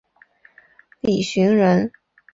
李绚人。